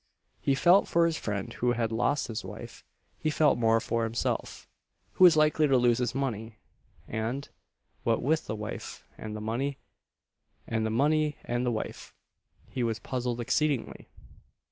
He felt for his friend who had lost his wife; he felt more for himself, who was likely to lose his money; and, what with the wife and the money, and the money and the wife, he was puzzled exceedingly.